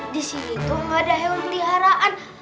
di sini tuh gak ada hewan peliharaan